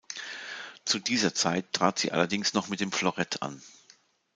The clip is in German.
Zu dieser Zeit trat sie allerdings noch mit dem Florett an.